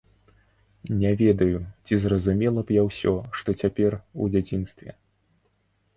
Не ведаю, ці зразумела б я ўсё, што цяпер, у дзяцінстве.